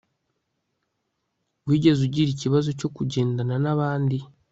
wigeze ugira ikibazo cyo kugendana nabandi